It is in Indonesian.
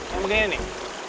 yang begini nih